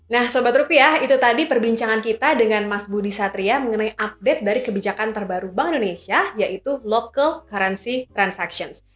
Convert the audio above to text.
nah sobat rupiah itu tadi perbincangan kita dengan mas budi satria mengenai update dari kebijakan terbaru bank indonesia yaitu local currency transactions